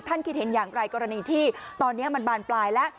คิดเห็นอย่างไรกรณีที่ตอนนี้มันบานปลายแล้ว